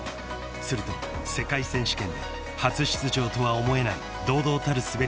すると世界選手権で初出場とは思えない堂々たる滑りを披露］